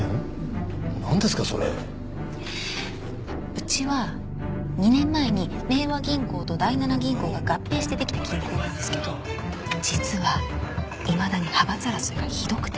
うちは２年前に明和銀行と第七銀行が合併して出来た銀行なんですけど実はいまだに派閥争いがひどくて。